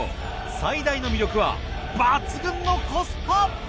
最大の魅力は抜群のコスパ！